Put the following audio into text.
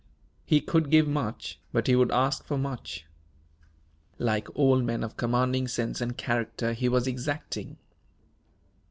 He could give much, but he would ask for much. Like all men of commanding sense and character, he was exacting.